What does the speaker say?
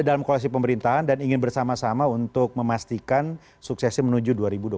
dalam koalisi pemerintahan dan ingin bersama sama untuk memastikan suksesnya menuju dua ribu dua puluh empat